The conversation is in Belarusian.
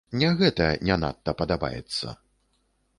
Не гэта не надта падабаецца.